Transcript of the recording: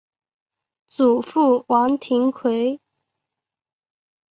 祖父王庭槐。